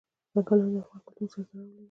ځنګلونه د افغان کلتور سره تړاو لري.